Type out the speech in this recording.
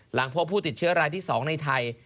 หลังพบผู้ติดเชื้อรายที่๒ในไทย